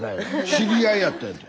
知り合いやったんやて。